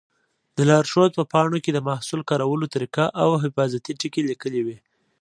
د لارښود په پاڼو کې د محصول کارولو طریقه او حفاظتي ټکي لیکلي وي.